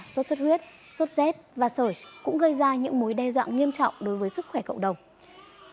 sốt xuất huyết sốt rét và sởi cũng gây ra những mối đe dọa nghiêm trọng đối với sức khỏe cộng đồng